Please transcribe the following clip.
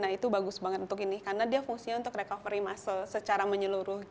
nah itu bagus banget untuk ini karena dia fungsinya untuk recovery muscle secara menyeluruh